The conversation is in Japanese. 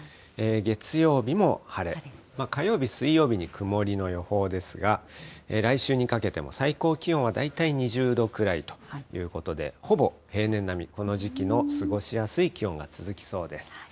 月曜日も晴れ、火曜日、水曜日に曇りの予想ですが、来週にかけても最高気温は大体２０度くらいということで、ほぼ平年並み、この時期の過ごしやすい気温が続きそうです。